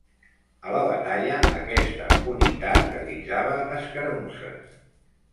A la batalla aquesta unitat realitzava escaramusses.